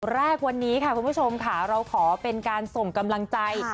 แรกวันนี้ค่ะคุณผู้ชมค่ะเราขอเป็นการส่งกำลังใจ